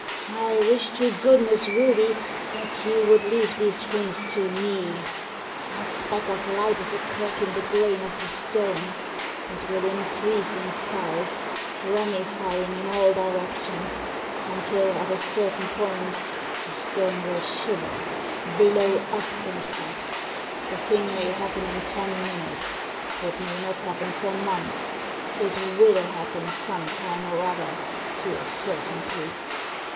I wish to goodness, Ruby, that you would leave these things to me. That speck of light is a crack in the grain of the stone. It will increase in size, ramifying in Digitized by VjOOQIC 202 THE SEEN AND THE UNSEEN all directions, until, at a certain point, the stone will shiver — blow up, in fact The thing may happen in ten minutes. It may not happen for months. It will happen some time or other, to a certainty.